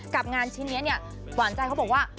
กับงานชิ้นนี้เนี่ยหวานใจเขาบอกว่า